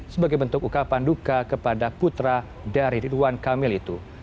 sebagai bentuk ukapan duka kepada putra dari ridwan kamil itu